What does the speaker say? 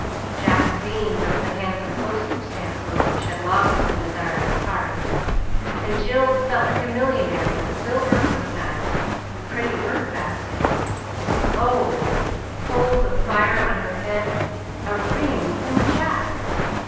Jack beamed over the handsome postage stamp book which had long been the desire of his heart, and Jill felt like a millionaire, with a silver fruit knife, a pretty work basket, and oh! coals of fire on her head! a ring from Jack.